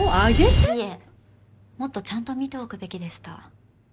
いえもっとちゃんと見ておくべきでした。